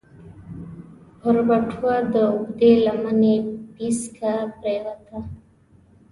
پر بټوه د اوږدې لمنې پيڅکه پرېوته.